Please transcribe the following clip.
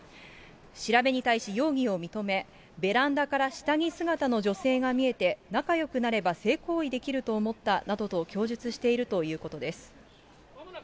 調べに対し容疑を認め、ベランダから下着姿の女性が見えて、仲よくなれば、性行為できると思ったなどと供述しているということです。